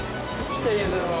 １人分を。